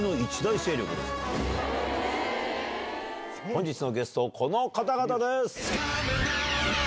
本日のゲストこの方々です。